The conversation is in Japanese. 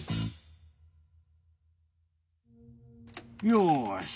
よし！